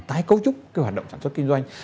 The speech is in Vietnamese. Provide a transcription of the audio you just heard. tái cấu trúc cái hoạt động sản xuất kinh doanh